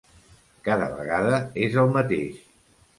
Cada vegada és el mateix.